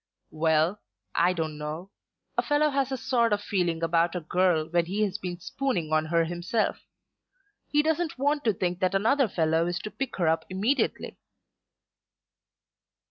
"Well; I don't know. A fellow has a sort of feeling about a girl when he has been spooning on her himself. He doesn't want to think that another fellow is to pick her up immediately."